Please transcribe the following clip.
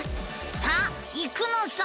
さあ行くのさ！